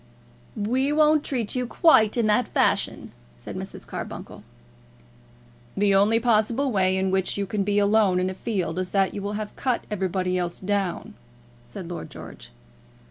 "We won't treat you quite in that fashion," said Mrs. Carbuncle. "The only possible way in which you can be alone in a field is that you will have cut everybody else down," said Lord George.